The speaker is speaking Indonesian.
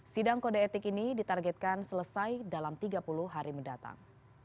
sidang kode etik ini ditargetkan selesai dalam tiga puluh hari mendatang